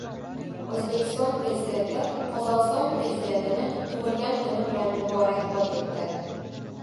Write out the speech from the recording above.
O‘zbekiston Prezidenti Qozog‘iston Prezidentini tug‘ilgan kuni bilan muborakbod etdi